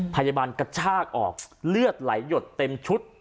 กระชากออกเลือดไหลหยดเต็มชุด